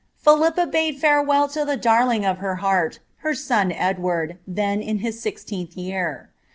Philippa bade fareweU to the darling of her heart, her ion Edward, then in his sixteenth year.